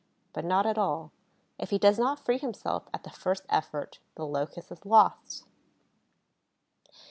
But not at all. If he does not free himself at the first effort, the Locust is lost.